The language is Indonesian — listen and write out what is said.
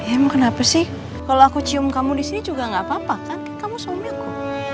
em kenapa sih kalau aku cium kamu di sini juga nggak apa apa kan kamu suami aku